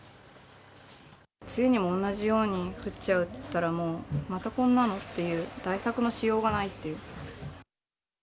梅雨にも同じように降っちゃったら、もう、またこんなのっていう、対策のしようがないっていう。